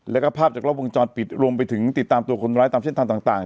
แล้วก็ภาพจากรอบวงจรปิดรวมไปถึงติดตามตัวคนร้ายตามเส้นทางต่าง